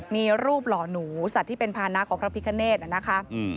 มีรูปหล่อหนูสัตว์ที่เป็นภานะของพระพิคเนธนะคะ